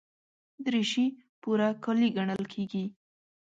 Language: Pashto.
دریشي پوره کالي ګڼل کېږي.